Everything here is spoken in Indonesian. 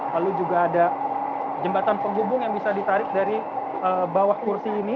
lalu juga ada jembatan penghubung yang bisa ditarik dari bawah kursi ini